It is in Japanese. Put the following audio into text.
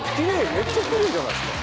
めっちゃきれいじゃないすか。